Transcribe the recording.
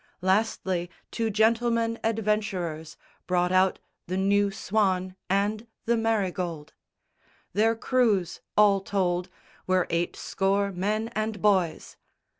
Lastly two gentleman adventurers Brought out the new Swan and the Marygold. Their crews, all told, were eight score men and boys.